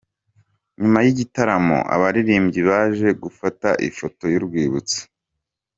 Nyuma y'igitaramo abaririmbyi baje gufata ifoto y'urwibutso.